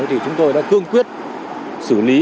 thì chúng tôi đã cương quyết xử lý